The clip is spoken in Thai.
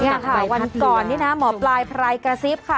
นี่ค่ะวันก่อนนี่นะหมอปลายพรายกระซิบค่ะ